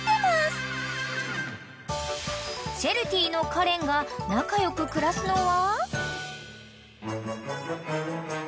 ［シェルティのカレンが仲良く暮らすのは？］